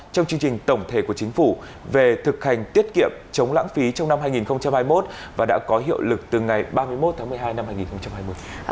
trong chương trình tổng thể của chính phủ về thực hành tiết kiệm chống lãng phí trong năm hai nghìn hai mươi một và đã có hiệu lực từ ngày ba mươi một tháng một mươi hai năm hai nghìn hai mươi